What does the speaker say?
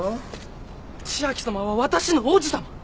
千秋さまはわたしの王子さま。